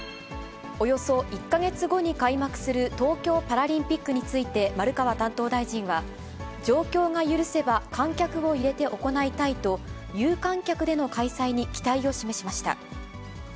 およそ１か月後に開幕する東京パラリンピックについて丸川担当大臣は、状況が許せば、観客を入れて行いたいと、有観客での開催に期待を示しました。